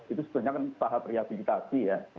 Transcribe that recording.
itu sebenarnya kan tahap rehabilitasi ya